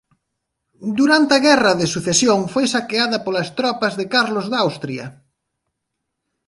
Durante a Guerra de Sucesión foi saqueada polas tropas de Carlos de Austria.